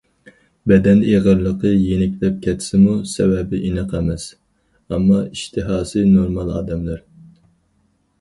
بەدەن ئېغىرلىقى يېنىكلەپ كەتسىمۇ سەۋەبى ئېنىق ئەمەس، ئەمما ئىشتىھاسى نورمال ئادەملەر.